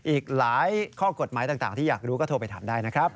อีกหลายข้อกฎหมายต่างที่อยากรู้ก็โทรไปถามได้นะครับ